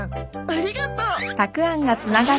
ありがとう。あれ？